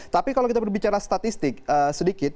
tapi kalau kita berbicara statistik sedikit